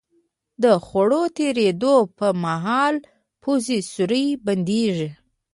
د خوړو د تېرېدو په مهال پوزې سوری بندېږي.